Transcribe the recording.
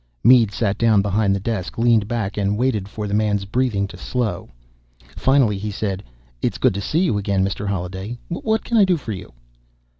Mead sat down behind the desk, leaned back, and waited for the man's breathing to slow. Finally he said, "It's good to see you again, Mr. Holliday. What can I do for you?"